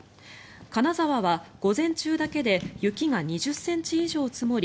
金沢は午前中だけで雪が２０ｃｍ以上積もり